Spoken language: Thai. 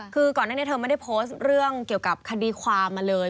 คือก่อนหน้านี้เธอไม่ได้โพสต์เรื่องเกี่ยวกับคดีความมาเลย